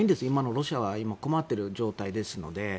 今のロシアは困っている状態ですので。